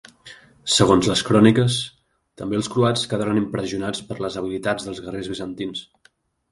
Segons les cròniques, també els croats quedaren impressionats per les habilitats dels guerrers bizantins.